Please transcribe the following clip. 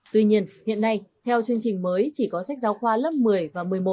tuy nhiên hiện nay theo chương trình mới chỉ có sách giáo khoa lớp một mươi và một mươi một